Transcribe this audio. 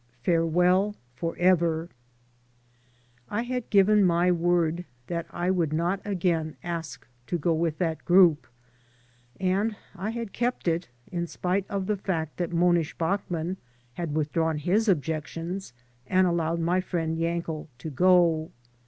FAREWELL FOREVEB I HAD given my word that I would not again ask to go with that group, and I had kept it, in spite of the fact that Monish Bachman had withdrawn his objec tions and allowed my friend Yankel to go.